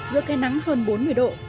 giữa cây nắng hơn bốn mươi độ